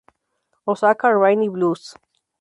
Osaka Rainy Blues